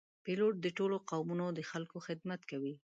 پیلوټ د ټولو قومونو د خلکو خدمت کوي.